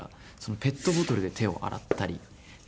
ペットボトルで手を洗ったりとか。